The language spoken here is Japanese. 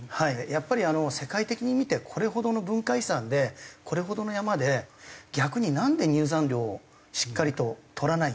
やっぱり世界的に見てこれほどの文化遺産でこれほどの山で逆になんで入山料をしっかりと取らないんだろうなと。